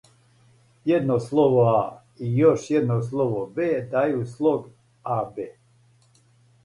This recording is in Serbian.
једно слово а, и још једно слово б дају слог аб.